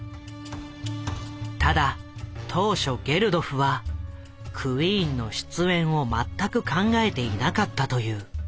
ただ当初ゲルドフはクイーンの出演を全く考えていなかったという。